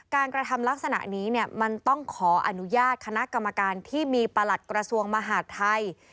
กระทำลักษณะนี้เนี่ยมันต้องขออนุญาตคณะกรรมการที่มีประหลัดกระทรวงมหาดไทย